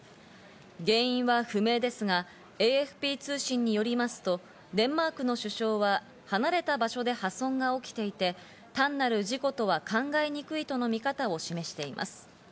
原因は不明ですが、ＡＦＰ通信によりますと、デンマークの首相は離れた場所で破損が起きていて、単なる事故とは考えにくいとの見方を示しています。